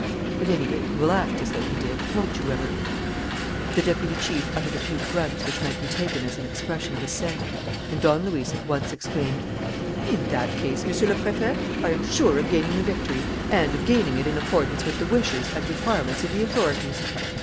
"At any rate, he will act as though he did, won't you, Weber?" The deputy chief uttered a few grunts which might be taken as an expression of assent; and Don Luis at once exclaimed: "In that case, Monsieur le Préfet, I am sure of gaining the victory and of gaining it in accordance with the wishes and requirements of the authorities."